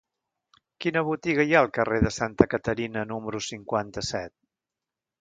Quina botiga hi ha al carrer de Santa Caterina número cinquanta-set?